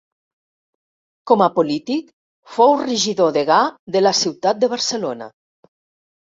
Com a polític, fou regidor degà de la ciutat de Barcelona.